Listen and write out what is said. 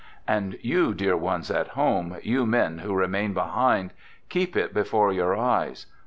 And you dear ones at home, you men who remain behind, keep it before your eyes.